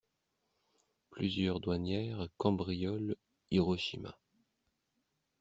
Plusieurs douanières cambriolent Hiroshima!